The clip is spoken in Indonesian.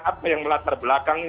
apa yang melatar belakang